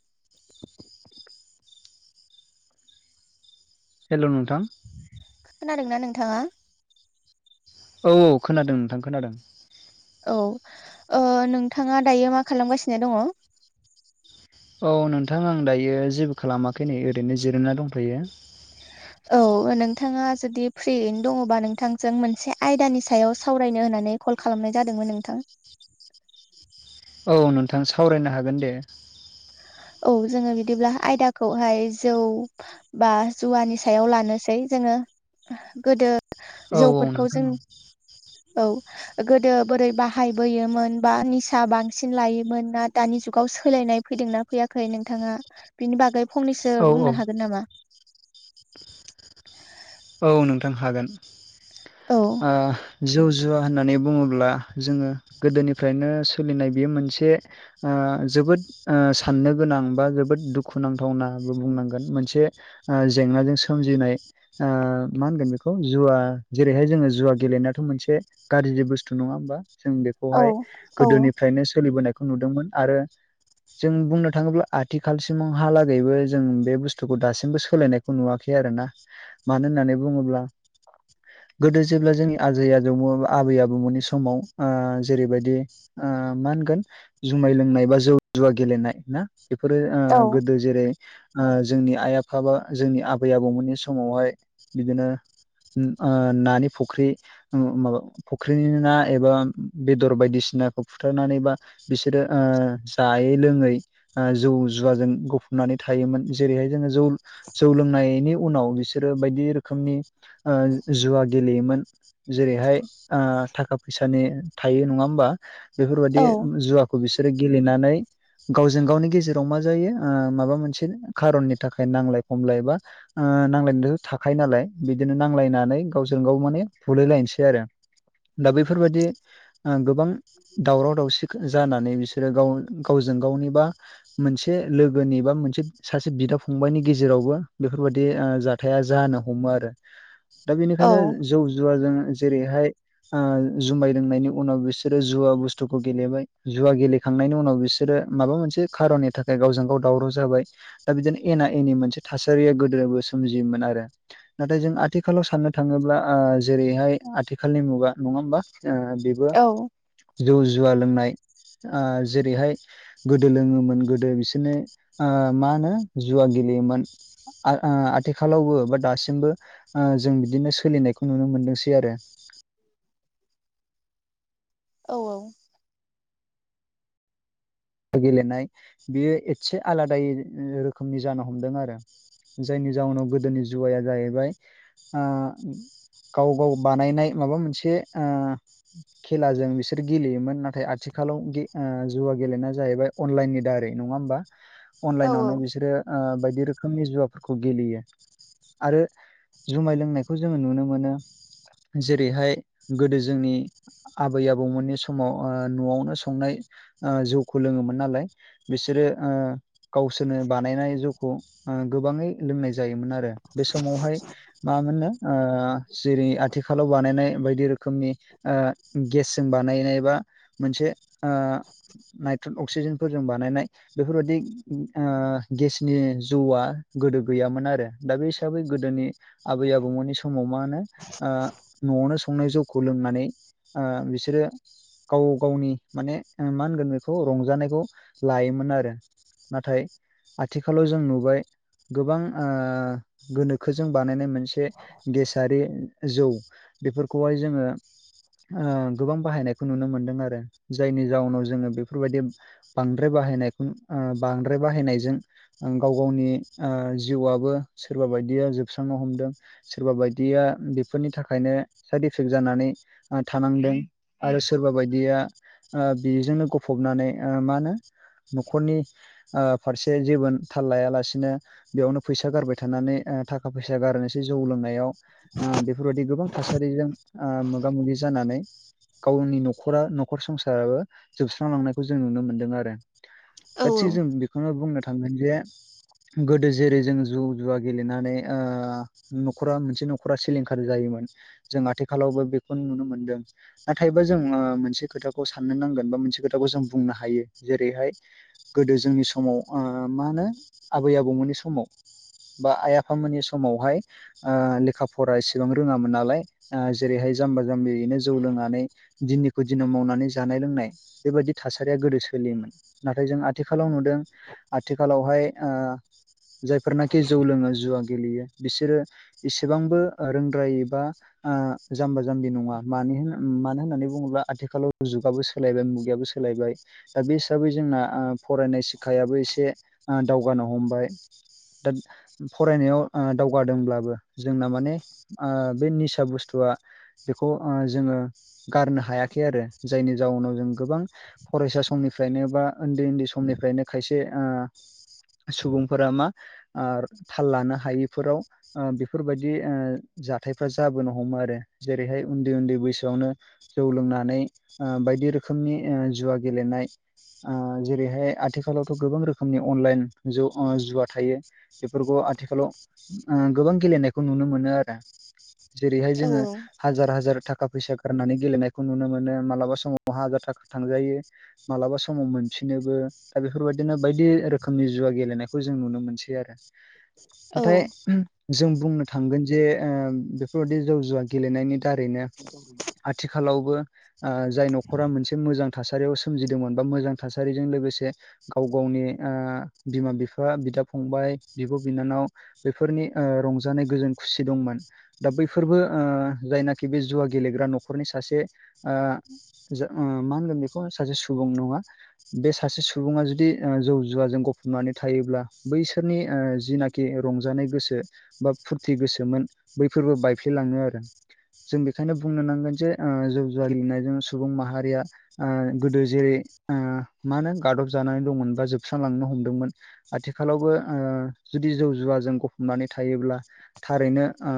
[inaudible] हेल' नोंथां। खोनादों ना नोंथाङा? औ औ खोनादों नोंथां खोनादों। औ नोंथाङा दायो मा खालामगासिनो दङ। औ नोंथां आं दायो जेबो खालामाखै नै ओरैनो जिरोमना दंथ'यो। [inaudible] औ नोंथाङा जुदि फ्रियैनो दङबा नोंथांजों मोनसे आयदानि सायाव सावरायनो होननानै कल खालामनाय जादोंमोन नोंथां। औ नोंथां सावरायनो हागोन दे। औ जोङो बिदिब्ला आयदाखौहाय जौ बा जुवानि सायाव लानोसै जोङो गोदो औ औ जौफोरखौ नोंथां जों औ। गोदो बोरै बाहायबोयोमोन बा निसा बांसिन लायोमोन ना दानि जुगाव सोलायनाय फैदोंना। फैयाखै नोंथाङा बिनि बागै फंनैसो औ औ बुंनो हागोन नामा? औ नोंथां हागोन। औ जौ जुवा होननानै बुङोब्ला जोङो गोदोनिफ्रायनो सोलिनाय बेयो मोनसे ओ जोबोद साननो गोनां बा जोबोद दुखु नांथावनाबो बुंनांगोन मोनसे जेंनाजों सोमजिनाय मा होनगोन बेखौ जुवा जेरैहाय जोङो जुवा गेलेनायाथ' मोनसे गाज्रि बुस्थु नङा होमबा जों औ बेखौहाय औ गोदोनिफ्रायनो सोलिबोनाय खौ नुदोंमोन आरो। जों बुंनो थाङोब्ला आथिखालसिमावहालागैबो जों बे बुस्थुखौ दासिमबो सोलायनायखौ नुवाखै आरो ना। मानो होननानै बुङोब्ला गोदो जेब्ला जोंनि आजै आजौमोन आबै आबौमोननि समाव जेरैबायदि मा होनगोन जुमाय लोंनाय बा जौ जुवा गेलेनाय ना बेफोरो औ गोदो जेरै जोंनि आइ आफाबा जोंनि आबै आबौमोननि समावहाय बिदिनो नानि फुख्रि माबा फुख्रिनि ना एबा बेदर बायदिसिनाखौ फुथारनानै बा बिसोरो जायै लोङै जौ जुवाजों गुफबनानै थायोमोन जेरैहाय जोङो जौ जौ लोंनायनि उनाव बिसोर बिसोरो बायदि रोखोमनि जुवा गेलेयोमोन। जेरैहाय थाखा फैसानि थायो नङा होमबा? बेफोरबायदि औ जुवा खौ बिसोरो गेलेनानै गावजों गावनि गेजेराव मा जायो माबा मोनसे खारननि थाखाय नांलाय खमलाय एा नांनाय थाखायो नालाय बिदिनो नांलायनानै गावजों गाव माने बुलायलायनोसै आरो दा बैफोरबायाददि गोबां दावराव दावसि जानानै बिसोरो गाव गावजों गावनिबा मोनसे लोगोनि बा मोनसे सासे बिदा फंबाइनि गेजेरावबो बेफोरबायदि जादों। हथाया जानो हमो आरो दा बेनिखायनो औ जौ जुवाजों जेरैहाय जुमाय लोंनायनि उनाव बिसोरो जुवा बुस्थुखौ गेलेबाय जुवा गेले खांनायनि उनाव बिसोरो माबा मोनसे खारननि थाखाय गावजों गाव दावराव जाबाय। दा बिदिनो एना एनि मोनसे थासारिया गोदोबो सोमजियोमोन आरो। नाथाय जों आथिखालाव साननो थाङोब्ला जेरैहाय आथिखालनि मुगा नङा होमबा? औ जौ जुवा लोंनाय जेरैहाय गोदो लोङोमोन गोदो बिसोरनो मा होनो जुवा गेलेयोमोन। आ आ। आथिखालावबो बा दासिमबो ओ जों बिदिनो सोलिनायखौ नुनो मोनदोंसै आरो औ औ गेलेनाय बेयो एसे आलादायै रोखोमनि जानो हमदों आरो जायनि जाउनाव गोदोनि जुवाया जाहैबाय गाव गाव बानायनाय माबा मोनसे ओ खेलाजों बिसोर गेलेयोमोन नाथाय आथिखालाव जुवा गेलेना जाहैबाय अनलाइननि दारै नङा होमबा औ अनलाइनावनो बिसोरो ओ बायदि रोखो रोखोमनि जुवाफोरखौ गेलेयो आरो जुमाय लोंनायखौ जोङो नुनो मोनो जेरैहाय गोदो जोंनि आबै आबौमोननि समाव ओ न'आवनो संनाय ओ जौखौ लोङोमोन नालाय बिसोरो ओ गावसोरनो बानायनाय जौखौ गोबाङै लोंनाय जायोमोन आरो आरो बे समावहाय मामोननो ओ जेरै आथिखालाव बानायनाय बायदि रोखोमनि ओ गेसजों बानायनाय बा मोनसे ओ अक्सिजेनफोरजों बानायनाय बेफोरबादि ओ गेसनि जौआ गोदो गैयामोन आरो दा बे हिसाबै गोदोनि आबै आबौमोननि समाव मा होनो ओ न'आवनो संनाय जौखौ लोंनानै ओ बिसोरो गाव गावनि माने मा होनगोन बेखौ खौ रंजानायखौ लायोमोन आरो नाथाय आथिखालाव जों नुबाय गोबां ओ गोनोखोजों बानायनाय मोनसे गेसारि जौ बेफोरखौहाय जोङो ओ गोबां बाहायनायखौ नुनो मोनदों आरो जायनि जाउनाव जोङो बे बेफोरबायदि बांद्राय बाहायनायखौ ओ बांद्राय बाहायनायजों गाव गावनि ओ जिउआबो सोरबा बायदिया जोबस्रांनो हमदों सोरबा बायदिया बेफोरनि थाखायनो साइद इफेक्ट जानानै थानांदों आरो सोरबा बायदिया ओ बेजोंनो गफबनानै मा होनो न'खरनि फारसे ओ जेबो थाल लायालासिनो बेयावनो फैसा गारबाय थानानै थाखा फैसा गारोस जौ लोंनायाव ओ बेफोरबायदि गोबां थासारिजों ओ मोगा मोगि जानानै गावनि न'खरा न'खर संसाराबो जोबस [unintelligible] लांनायखौ जों नुनो मोनदों आरो औ दा थिग जों बेखौनो बुंनो थांगोन जे गोदो जेरै जों जु जुवा गेलेनानै न'खरा मोनसे न'खरा सिलिंखार जायोमोन जों आथिखालावबो बेखौ नुनो मोनदों नाथायबा जों ओ मोनसे खोथाखौ साननो नांगोन बा मोनसे खोथाखौ जों बुंनो हायो जेरैहाय गोदो जोंनि समाव ओ मा होनो आबै आबौमोननि समाव बा आइ आफामोननि समावहाय ओ लेखा फरा एसेबां रोङामोन नालाय ओ जेरैहाय जाम्बा जाम्बियैनो जौ लोंनानै दिननिखौ दिनाव मावनानै जानाय लोंनाय बेबायदि थासारिया गोदो सोलियोमोन नाथाय जों आथिखालाव नुदों आथिखालावहाय ओ जायफोरनाखि जौ लोङो जुवा गेलेयो बिसोरो एसेबांबो रोंद्रायबा ओ जाम्बा जाम्बि नङा मानो मानो होननानै बुङोब्ला आथिखालाव जुगाबो सोलायबाय सोलायबाय दा बे हिसाबै जोंना फरायनाय सिखायाबो एसे दावगानो हमबाय दा फरायनायाव दावगादोंब्लाबो जोंना माने ओ बे निसा बुस्थुआ बेखौ ओ जोङो गारनो हायाखै आरो जायनि जाउनाव जों गोबां फरायसा समनिफ्रायनो बा उन्दै उन्दै समनिफ्रायनो खायसे सुबुंफोरा मा ओ थाल लानो हायिफोराव बेफोरबायदि ओ जाथायफ्रा जाबोनो हमो आरो जेरैहाय उन्दै उन्दै बैसोआवनो जौ लोंनानै ओ बायदि रोखोमनि ओ जुवा गेलेनाय जेरैहाय आथिखालावथ' गोबां रोखोमनि अनलाइन ज' जुवा थायो। बेफोरखौ आथिखालाव गोबां गेलेनायखौ नुनो मोनो आरो। जेरैहाय औ जोङो हाजार हाजार थाखा फैसा गारनानै गेलेनायखौ नुनो मोनो मालाबा समावनो ना हाजार थाखा थांजायो मालाबा समाव मोनफिनोबो दा बेफोरबायदिनो बायदि रोखोमनि जुवा गेलेनायखौ जों नुनो मोनसै आरो। ओमफाय औ जों बुंनो थांगोन जे बेफोरबादि जौ जुवा गेलेनायनि दारैनो [inaudible] आथिखालावबो जाय नखर नखरा मोनसे मोजां थासारियाव सोमजिदोंमोन बा मोजां थासारिजों लोगोसे। गाव गावनि बिमा-बिफा, बिदा-फंबाय, बिब'-बिनानाव बेफोरनि रंजानाय गोजोन खुसि दंमोन। दा बैफोरबो जायनाखि बे जुवा गेलेग्रा न'खरनि सासे। मा होनगोन बेखौ सासे सुबुं नङा। ओ बे सासे सुबुङा जुदि जौ जुवाजों गफबनानै थायोब्ला बैसोरनि जिनाखि रंजानाय गोसो बा फुरथि गोसोमोन बैफोरबो बायफ्लेलाङो आरो। जों बेखायनो बुंनो नांगोन जे जौ जुवा लिरनायजों सुबुं माहारिया। ओ गोदो जेरै मा होनो गादब जानानै दंमोन बा जोबस्रांलांनो हमदोंमोन। आथिखालावबो ओ जुदि जौ जुवाजों गफबनानै थायोब्ला थारैनो ओ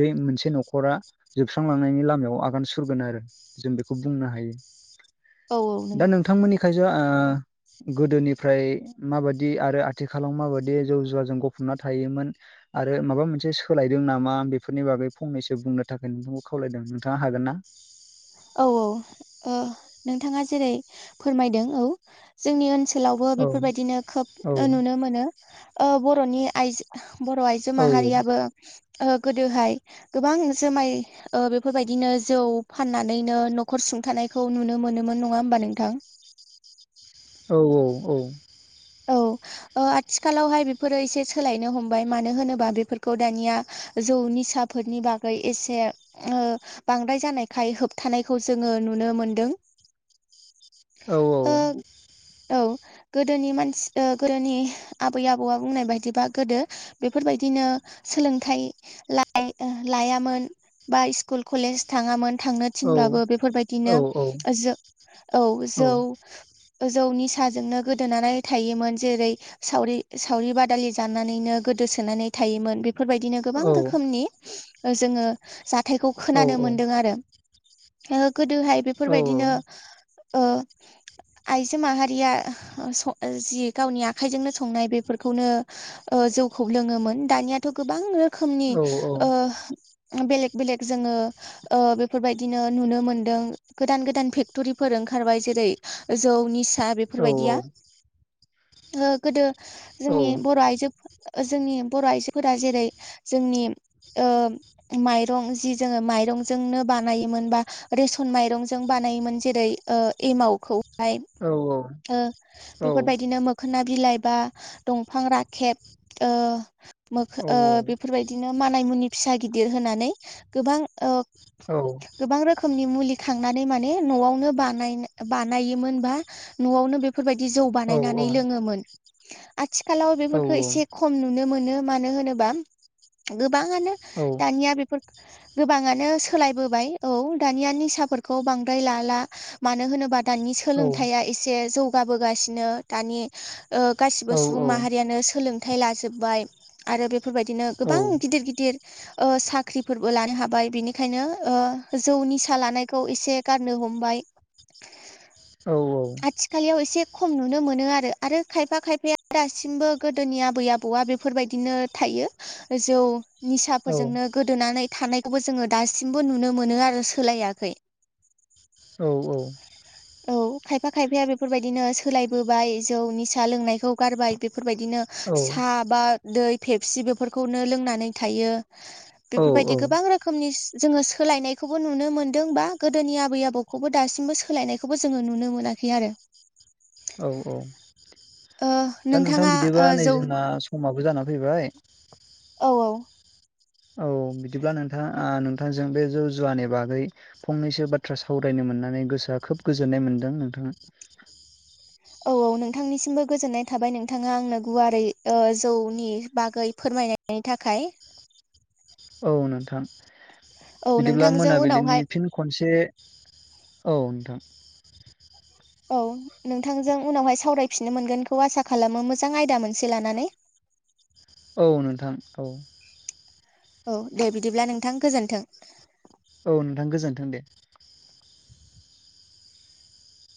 बे मोनसे न'खरा जोबस्रांलांनायनि लामायाव आगान सुरगोन आरो जों बेखौ ओ बेखौ बुंनो हायो औ नंगौ दा नोंथांमोननि खायसे गोदोनिफ्राय माबादि आरो आथिखालाव माबादि जौ जुवाजों गफबना थायोमोन बा आरो माबा मोनसे सोलायदों नामा बेफोरनि बागै फंनैसो बुंनो थाखाय नोंथांखौ खावलायदों नोंथाङा हागोन ना। औ औ नोंथाङा जेरै फोरमायदों औ जोंनि ओनसोल ओ ओनसोलावबो औ बेफोरबायदिनो औ खोब नुनो मोनो बर'नि आइजो ओ ओ बर' आइजो औ माहारियाबो गोदोहाय गोबां जुमाय बेफोर बायदिनो ओ जौ फाननानै नानैनो न'खर सुंथानायखौ नुनो मोनोमोन नङा होमबा नोंथां? औ औ नंगौ। औ। आथिखालावहाय बेफोरो एसे सोलायनो हमबाय मानो होनोबा बेफोरखौ दानिया जौ बेफोरनि बागै एसे बांद्राय जानायखाय होबथानायखौ जोङो नुनो मोनदों। औ ओ औ गोदोनि मानसि ओ गोदोनि आबै-आबौआ बुंनाय बायदिबा गोदो बेफोरबादिनो सोलोंथाइ ल' लायामोन। बा स्कुल कलेज थाङामोन। थांनो औ थिनब्लाबो औ बेफोरबायदिनो जो औ जौ ग्जौ निसाजोंनो गोदोनानै थायोमोन जेरै सावरि सावरि बादालि जानानैनो गोदोसोनानै थायोमोन। बेफोरबादिनो गोबां रोखोमनि जोङो जाथायखौ खोनानो मोनदों आरो। गोदोहाय बेफोरबादिनो आइजो माहारिया जि गावनि आखाइजोंनो संनाय बेफोरखौनो जौखौ लोङोमोन दानियाथ' गोबां रोखोमनि बेलेग बेलेक जोङो बेफोरबायदिनो नुनो मोनदों गोदान गोदान फेक्टरिफोर ओंखारबाय जेरै जौ निसा बेफोरबादिया ओ गोदो जोंनि बर' आइजो जोंनि बर' आइजोफोरा जेरै जोंनि ओ माइरं जि जोङो माइरंजोंनो बानायोमोन बा रेसन माइरंजों बानायोमोन जेरै ओ एमावखौ फ्राय ओ बिदिनो मोखोना बिलाइ बा दंफां राखेब ओ मोखा बेफोरबायदिनो मानामुनि फिसा गिदिर होनानै गोबां औ गोबां रोखोमनि मुलि खांनानै माने न'आवनो बानाय बानायोमोनबा न'आवनो बेफोरबायदि जौ बानायनानै लोङोमोन। आथिखालाव बेफोरखौ एसे खम नुनो मोनो मानो होनोबा गोबाङानो दानिया बेफोर गोबाङानो सोलायबोबाय औ दानिया निसाफोरखौ बांद्राय लाला। मानो होनोबा दानि सोलोंथाइा एसे जौगाबोगासिनो दानि गासिबो सुबुं माहारियानो सोलोंथाइ लाजोब्बाय। आरो बेफोरबायदिनो गोबां गिदिर गिदिर ओ साख्रिफोरबो लानो हाबाय बिनिखायनो ओ जौ निसा लानायखौ एसे गारनो हमबाय। औ औ खालियाव एसे खम नुनो मोनो आरो आरो खायफा खायफाया दासिमबो गोदोनि आबै आबौआ बेफोरबायदिनो थायो। जौ औ निसाफोरजोंनो गोदोनानै थानायखौबो जोङो दासिमबो नुनो मोनो आरो सोलायाखै। औ औ औ खायफा खायफाया बेफोरबायदिनो सोलायबोबाय जौ निसा लोंनायखौ गारबाय बे बेफोरबायदिनो साहा बा दै फेबसि बेफोरखौनो लोंनानै थायो। औ बेफोरबायदि गोबां रोखोम रोखोमनि जोङो सोलायनायखौबो नुनो मोन्दों बा गोदोनि आबै आबौखौबो दासिमबो सोलायनाय बेखौबो जोङो नुनो मोनाखै आरो। औ औ ओ दा नोंथां नोंथाङा ओ बिदिबा नै जौ जोंना समाबो जाना फैबाय। औ औ औ बिदिब्ला नोंथां नोंथांजों बे जौ जुवानि बागै फंनैसो बाथ्रा सावरायनो मोननानै गोसोआ खोब गोजोननाय मोनदों नोंथां। औ औ नोंथांनिसिमबो गोजोननाय थाबाय नोंथाङा आंनो गुवारै ओ जौनि बागै फोरमायनाय बिनि थाखाय औ नोंथां औ बिदिब्ला नोंथांजों मोनाबिलिनि उनावहाय फिन खनसे औ नोंथां औ नोंथांजों उनावहाय सावरायफिननो मोनगोनखौ आसा खालामो मोजां आयदा मोनसे लानानै औ नोंथां औ औ दे बिदिब्ला नोंथां गोजोन्थों। औ नोंथां गोजोन्थों दे।